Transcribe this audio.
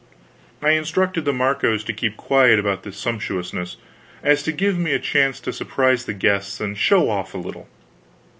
I instructed the Marcos to keep quiet about this sumptuousness, so as to give me a chance to surprise the guests and show off a little.